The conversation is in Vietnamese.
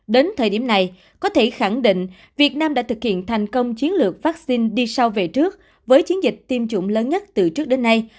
đến thời điểm này có thể khẳng định việt nam đã thực hiện thành công chiến lược vaccine đi sau về trước với chiến dịch tiêm chủng lớn nhất từ trước đến nay